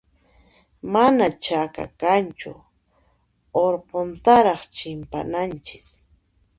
Manan chaka kanchu, urquntaraq chimpananchis.